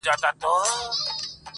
په کوم مخ به د خالق مخ ته درېږم؟.